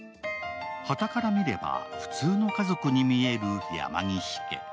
傍から見れば普通の家族に見える山岸家。